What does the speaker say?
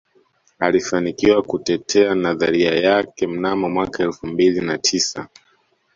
Alifanikiwa kutetea nadharia yake mnamo mwaka elfu mbili na tisa